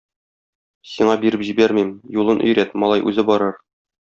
Сиңа биреп җибәрмим, юлын өйрәт, малай үзе барыр.